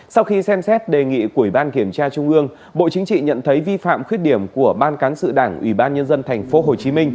sau khi xem xét đề nghị của ủy ban kiểm tra trung ương bộ chính trị nhận thấy vi phạm khuyết điểm của ban cán sự đảng ủy ban nhân dân tp hcm